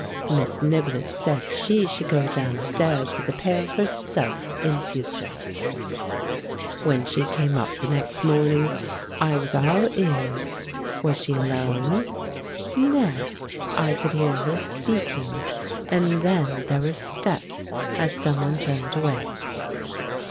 Miss Nib lett said she should go downstairs with the pail herself in future. When she came up the next morning I was 208 THE MAN WHO UNDERSTOOD WOMEN all ears. Was she alone? ... No, I could hear her speaking; and then there were steps, as some one turned away.